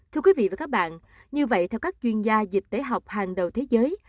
thưa quý vị và các bạn như vậy theo các chuyên gia dịch tế học hàng đầu thế giới